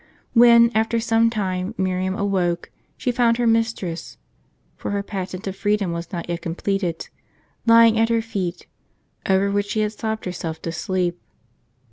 When, after some time, Miriam awoke, she found her mis tress (for her patent of freedom was not yet completed) lying at her feet, over which she had sobbed herself to sleep.